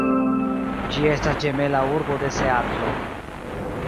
Ĝi estas ĝemela urbo de Seatlo.